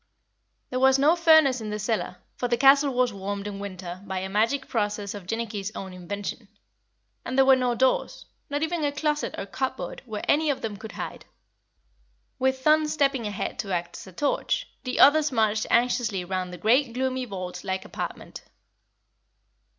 There was no furnace in the cellar, for the castle was warmed in winter by a magic process of Jinnicky's own invention; and there were no doors, not even a closet or cupboard where any of them could hide. With Thun stepping ahead to act as a torch, the others marched anxiously round the great gloomy vault like apartment.